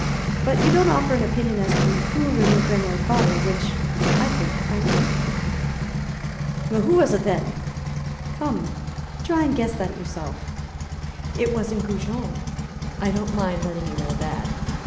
But you don't offer an opinion as to who removed Rameau's body which I think I know." "Who was it, then?" "Come, try and guess that yourself. It wasn't Goujon; I don't mind letting you know that.